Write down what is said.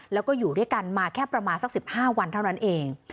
แล้วก็อยู่ด้วยกันมาแค่ประมาณสัก๑๕วันเท่านั้นเอง